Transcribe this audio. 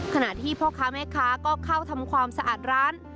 ขณะที่พ่อค้าแม่ค้าก็เข้าทำความสะอาดร้าน